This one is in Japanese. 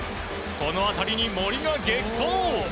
この当たりに森が激走！